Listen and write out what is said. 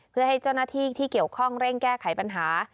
เพื่อให้เจ้าหน้าที่ที่เกี่ยวข้องเร่งแก้ไขปัญหา